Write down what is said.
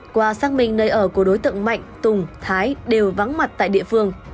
qua xác minh nơi ở của đối tượng mạnh tùng thái đều vắng mặt tại địa phương